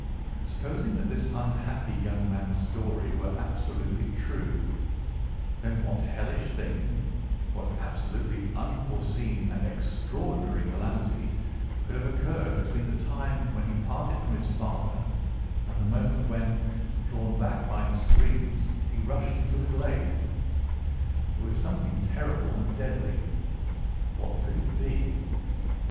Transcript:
Supposing that this unhappy young man's story were absolutely true, then what hellish thing, what absolutely unforeseen and extraordinary calamity could have occurred between the time when he parted from his father, and the moment when, drawn back by his screams, he rushed into the glade? It was something terrible and deadly. What could it be?